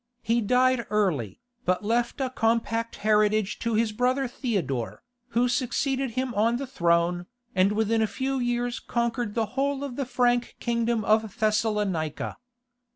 He died early, but left a compact heritage to his brother Theodore, who succeeded him on the throne, and within a few years conquered the whole of the Frank kingdom of Thessalonica.